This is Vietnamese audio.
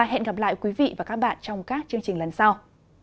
hẹn gặp lại quý vị và các bạn trong các chương trình lần sau